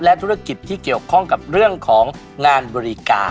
ธุรกิจที่เกี่ยวข้องกับเรื่องของงานบริการ